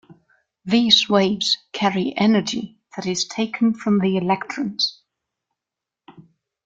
These waves carry energy that is taken from the electrons.